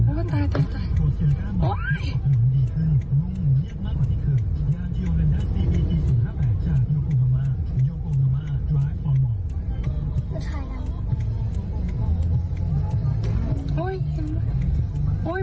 โอ้ยตายตายตายโอ้ย